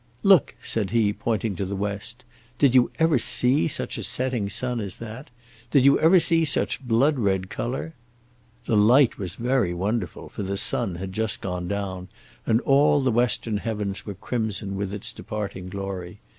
"Look," said he, pointing to the west; "did you ever see such a setting sun as that? Did you ever see such blood red colour?" The light was very wonderful, for the sun had just gone down and all the western heavens were crimson with its departing glory.